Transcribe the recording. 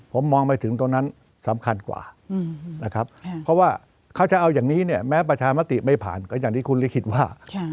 ผมมองไปถึงตรงนั้นสำคัญกว่านะครับเพราะว่าเขาจะเอาอย่างนี้เนี่ยแม้ประชามติไม่ผ่านก็อย่างที่คุณลิขิตว่า